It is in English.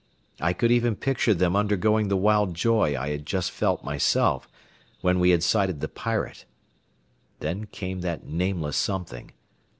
I could even picture them undergoing the wild joy I had just felt myself, when we had sighted the Pirate. Then came that nameless something.